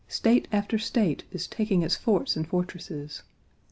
State after State is taking its forts and fortresses.